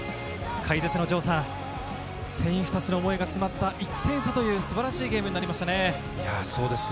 解説の城さん、選手たちの思いが詰まった１点差という素晴らしいゲームになりましたね。